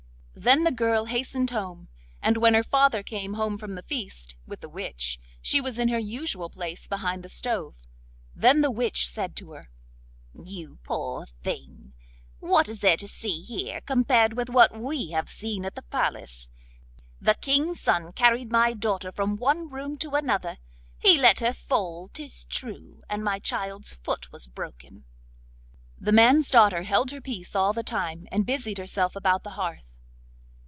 Then the girl hastened home, and when her father came home from the feast with the witch, she was in her usual place behind the stove. Then the witch said to her: 'You poor thing! what is there to see here compared with what we have seen at the palace? The King's son carried my daughter from one room to another; he let her fall, 'tis true, and my child's foot was broken.' The man's daughter held her peace all the time, and busied herself about the hearth.